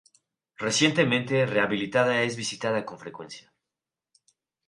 Recientemente rehabilitada es visitada con frecuencia.